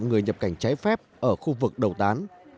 người nhập cảnh trái phép ở khu vực đầu tán